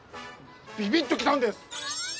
ビビッと来たんです！